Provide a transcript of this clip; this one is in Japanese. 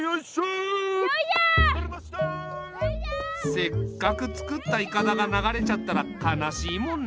せっかく作ったいかだが流れちゃったら悲しいもんね。